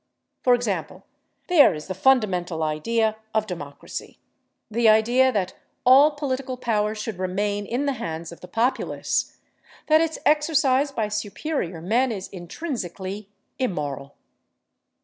For example, there is the fundamental idea of democracy—the idea that all political power should remain in the hands of the populace, that its exercise by superior men is intrinsically immoral.